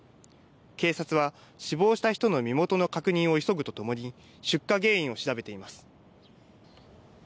警察は死亡した人の身元の確認を急ぐとともに出火原因を調べています。